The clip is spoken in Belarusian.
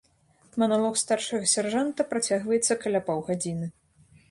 Маналог старшага сяржанта працягваецца каля паўгадзіны.